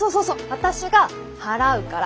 私が払うから。